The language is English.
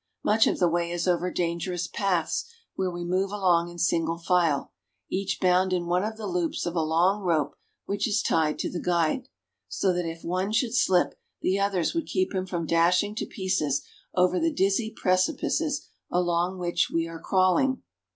Much of the way is over dangerous paths where we move along in single file, each bound in one of the loops of a long rope which is tied to the guide; so that if one should slip, the others would keep him from dashing to pieces over the dizzy precipices along which we are crawling.